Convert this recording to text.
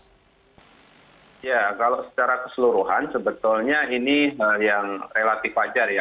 ya kalau secara keseluruhan sebetulnya ini hal yang relatif wajar ya